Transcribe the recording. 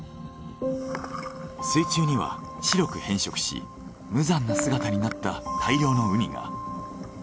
水中には白く変色し無残な姿になった大量のウニが。